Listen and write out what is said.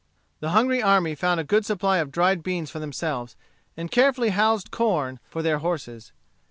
The hungry army found a good supply of dried beans for themselves, and carefully housed corn for their horses.